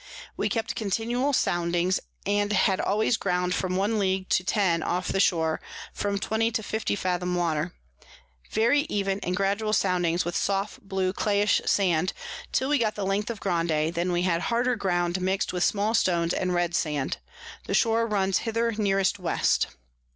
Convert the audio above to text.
We kept continual Soundings, and had always Ground from one League to ten off the Shore, from 20 to 50 Fathom Water: Very even and gradual Soundings, with soft blue clayish Sand, till we got the Length of Grande; then we had harder Ground, mix'd with small Stones and red Sand. The Shore runs hither nearest West.